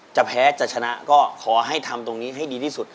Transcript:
จะแพ้จะชนะก็ขอให้ทำตรงนี้ให้ดีที่สุด